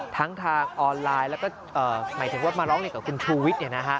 ทั้งทางออนไลน์แล้วก็หมายถึงว่ามาร้องเรียนกับคุณชูวิทย์